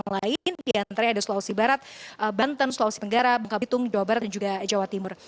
lain diantaranya ada sulawesi barat banten sulawesi tenggara bangka bitung jawa barat dan juga jawa timur